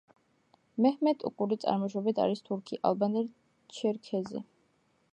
მეჰმეთ ოკური წარმოშობით არის თურქი, ალბანელი, ჩერქეზი.